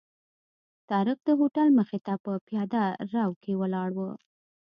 طارق د هوټل مخې ته په پیاده رو کې ولاړ و.